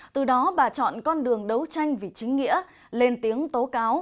từ đó bà chọn con đường đấu tranh vì chính nghĩa lên tiếng tố cáo